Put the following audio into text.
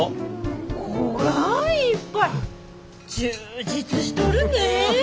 こがんいっぱい充実しとるねえ。